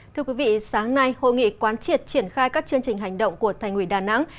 thưa quý vị sáng nay hội nghị quán triệt triển khai các chương trình hành động của thành ủy đà nẵng